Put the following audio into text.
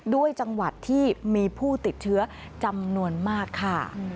ด้วยจังหวัดที่มีผู้ติดเชื้อจำนวนมากค่ะ